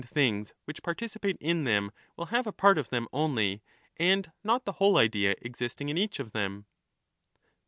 5 1 things which participate in them will have a part of them Par only and not the whole idea existing in each of them